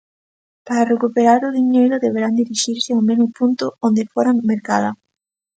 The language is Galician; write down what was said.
Para recuperar o diñeiro deberán dirixirse ao mesmo punto onde fora mercada.